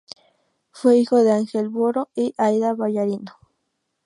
Fue hijo de Ángel Botto y de Aída Vallarino.